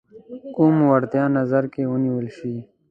کوم وړتیا نظر کې ونیول شي.